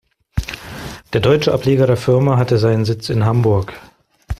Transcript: Der deutsche Ableger der Firma hatte seinen Sitz in Hamburg.